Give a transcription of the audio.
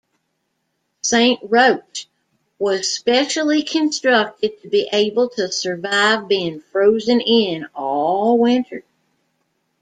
"Saint Roch" was specially constructed to be able to survive being frozen-in all winter.